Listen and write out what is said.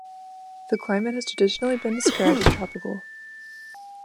The climate has traditionally been described as tropical.